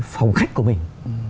phòng khách của mình